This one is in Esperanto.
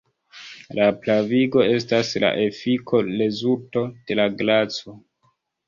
La pravigo estas la efiko-rezulto de la graco.